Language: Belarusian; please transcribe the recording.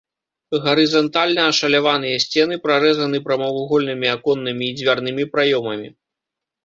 Гарызантальна ашаляваныя сцены прарэзаны прамавугольнымі аконнымі і дзвярнымі праёмамі.